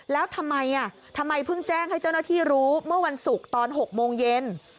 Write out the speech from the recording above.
แล้วทำไมทำไมเพิ่งแจ้งให้เจ้าหน้าที่รู้เมื่อวันศุกร์ตอน๖โมงเย็น